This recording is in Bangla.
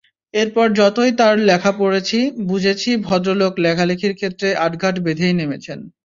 এরপর যতই তাঁর লেখা পড়েছি, বুঝেছি, ভদ্রলোক লেখালেখির ক্ষেত্রে আটঘাট বেঁধেই নেমেছেন।